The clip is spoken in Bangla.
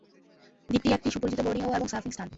দ্বীপটি একটি সুপরিচিত বডিবোর্ডিং এবং সার্ফিং স্থান।